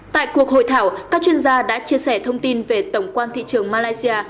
tại cuộc hội thảo các chuyên gia đã chia sẻ thông tin về tổng quan thị trường malaysia